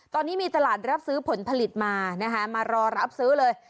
ตอนนี้มีตลาดรับซื้อผลผลิตมานะคะมารอรับซื้อเลย